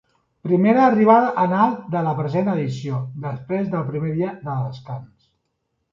Primera arribada en alt de la present edició, després del primer dia de descans.